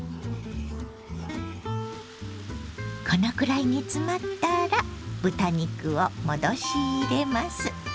このくらい煮詰まったら豚肉を戻し入れます。